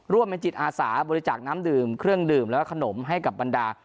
ร่วมเป็นจิตอาสาบริจาคน้ำดื่มเครื่องดื่มแล้วก็ขนมให้กับบรรดา